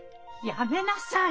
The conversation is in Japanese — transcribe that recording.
やめなさい！